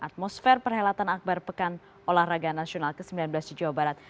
atmosfer perhelatan akbar pekan olahraga nasional ke sembilan belas di jawa barat